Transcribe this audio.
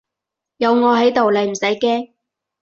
有我喺度你唔使驚